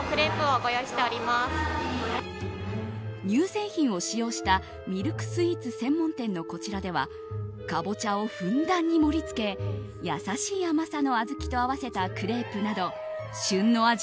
乳製品を使用したミルクスイーツ専門店のこちらではカボチャをふんだんに盛り付け優しい甘さの小豆と合わせたクレープなど旬の味